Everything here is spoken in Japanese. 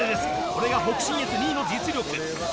これが北信越２位の実力！